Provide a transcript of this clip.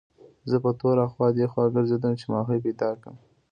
زه په تور اخوا دېخوا ګرځېدم چې ماهي پیدا کړم.